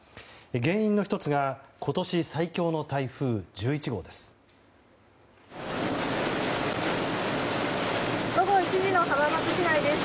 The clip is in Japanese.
原因の１つが今年最強の台風１１号です。